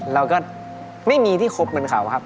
เราก็ไม่มีที่คบเหมือนเขาครับ